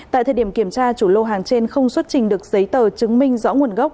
tại thời điểm kiểm tra chủ lô hàng trên không xuất trình được giấy tờ chứng minh rõ nguồn gốc